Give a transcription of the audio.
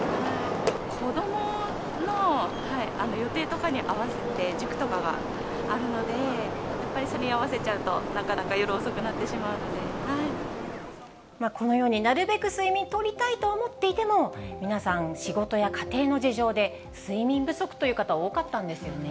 子どもの予定とかに合わせて塾とかがあるので、やっぱりそれに合わせちゃうと、なかなか夜遅くになってしまうのこのように、なるべく睡眠とりたいと思っていても、皆さん、仕事や家庭の事情で睡眠不足という方、多かったんですよね。